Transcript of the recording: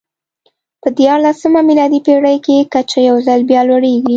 په دیارلسمه میلادي پېړۍ کې کچه یو ځل بیا لوړېږي.